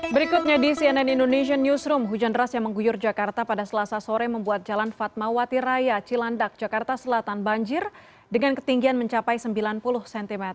berikutnya di cnn indonesian newsroom hujan deras yang mengguyur jakarta pada selasa sore membuat jalan fatmawati raya cilandak jakarta selatan banjir dengan ketinggian mencapai sembilan puluh cm